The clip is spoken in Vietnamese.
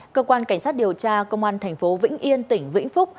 cơ quan cảnh sát điều tra công an tp vĩnh yên tỉnh vĩnh phúc